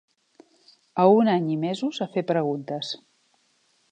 A un any i mesos a fer preguntes